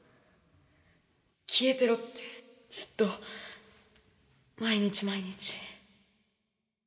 「消えてろ」ってずっと毎日毎日。